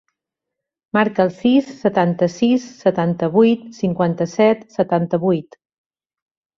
Marca el sis, setanta-sis, setanta-vuit, cinquanta-set, setanta-vuit.